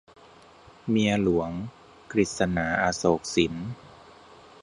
เมียหลวง - กฤษณา อโศกสิน